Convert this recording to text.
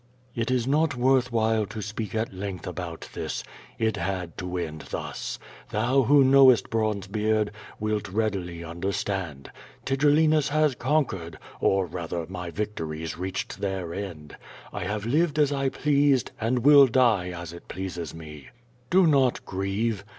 It is not worth while to speak at length about this. It had to end thus. Thou, who knowest Bronzebeard, wilt read ily understand. Tigellinus has conquered, or, rather, my vic tories reached their end. I have lived as I pleased, and will die as pleases me. Do not grieve.